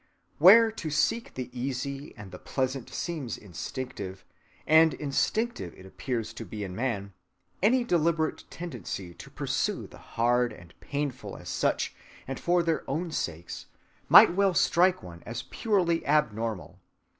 Where to seek the easy and the pleasant seems instinctive—and instinctive it appears to be in man; any deliberate tendency to pursue the hard and painful as such and for their own sakes might well strike one as purely abnormal.